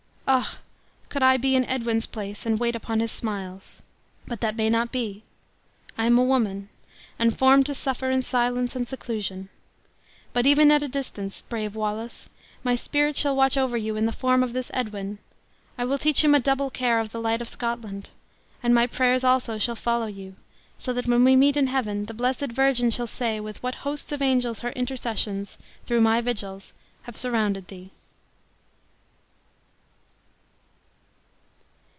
Ah! could I be in Edwin's place and wait upon his smiles! But that may not be; I am a woman, and formed to suffer in silence and seclusion. But even at a distance, brave Wallace, my spirit shall watch over you in the form of this Edwin; I will teach him a double care of the light of Scotland. And my prayers, also, shall follow you; so that when we meet in heaven, the Blessed Virgin shall say with what hosts of angels her intercessions, through my vigils have surrounded thee!"